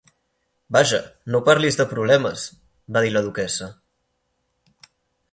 "Vaja, no parlis de problemes!" va dir la duquessa.